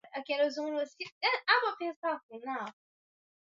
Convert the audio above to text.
Tuzungumze lugha ya taifa